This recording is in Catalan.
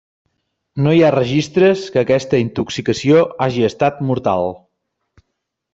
No hi ha registres que aquesta intoxicació hagi estat mortal.